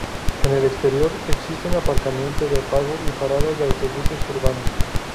En el exterior existe un aparcamiento de pago y paradas de autobuses urbanos.